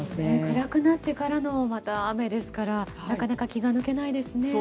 暗くなってからの雨ですからなかなか気が抜けないですね。